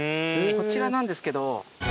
こちらなんですけど。